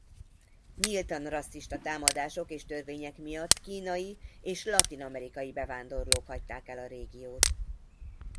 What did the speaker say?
Nyíltan rasszista támadások és törvények miatt kínai és latin-amerikai bevándorlók hagyták el a régiót.